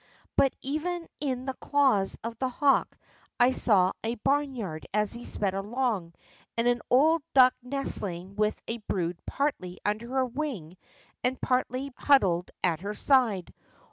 But even in the claws of the hawk I saw a barn yard as we sped along, and an old duck nestling with a brood partly under her wing, and partly huddled at her side.